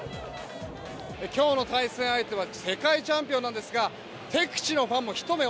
今日の対戦相手は世界チャンピオンなんですが敵地のファンもひと目